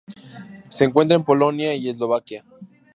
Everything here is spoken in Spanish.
Se encuentra en Polonia y Eslovaquia.